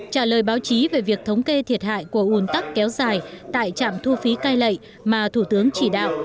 trả lời báo chí về việc thống kê thiệt hại của ùn tắc kéo dài tại trạm thu phí cai lệ mà thủ tướng chỉ đạo